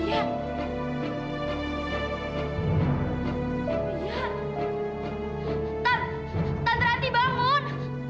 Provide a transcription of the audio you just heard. tante tante ranti bangun